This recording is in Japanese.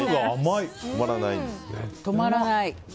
止まらない。